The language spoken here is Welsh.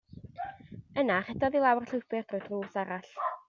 Yna rhedodd i lawr y llwybr drwy'r drws arall.